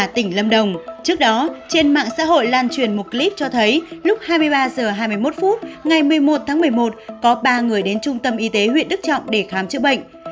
trước hai mươi ba h hai mươi một phút ngày một mươi một tháng một mươi một có ba người đến trung tâm y tế huyện đức trọng để khám chữa bệnh